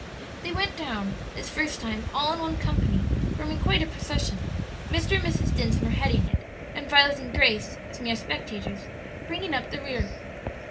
They went down, this first time, all in one company, forming quite a procession; Mr. and Mrs. Dinsmore heading it, and Violet and Grace, as mere spectators, bringing up the rear.